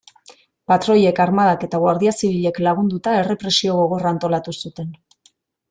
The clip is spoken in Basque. Patroiek, armadak eta Guardia Zibilek lagunduta, errepresio gogorra antolatu zuten.